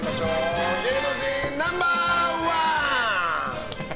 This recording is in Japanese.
芸能人ナンバー１！